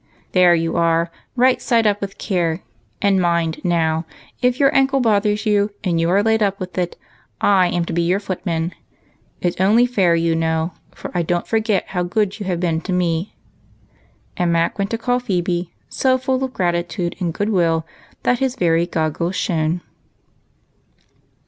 " There you are, — right side up with care ; and mind, now, if your ankle bothers you, and you are laid up with it, 7" am to be your footman. It's only fair, you know ; for I don't forget how good you have been to me." And Mac went to call Phebe, so full of gratitude and good will that his very goggles shone.